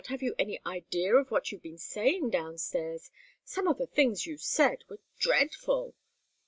Have you any idea of what you've been saying downstairs? Some of the things you said were dreadful."